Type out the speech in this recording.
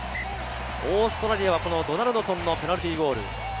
オーストラリアはドナルドソンのペナルティーゴール。